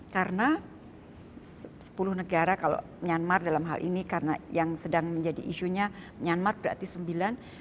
karena sepuluh negara kalau myanmar dalam hal ini karena yang sedang menjadi isunya myanmar berarti sembilan